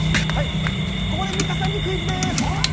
ここで美佳さんにクイズです！